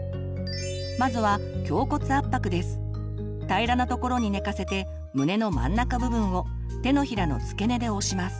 まずは平らなところに寝かせて胸の真ん中部分を手のひらの付け根で押します。